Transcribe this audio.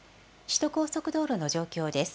首都高速道路の状況です。